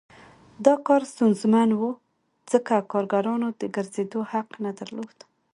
دا کار ستونزمن و ځکه کارګرانو د ګرځېدو حق نه درلود